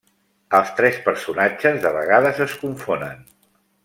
Els tres personatges de vegades es confonen.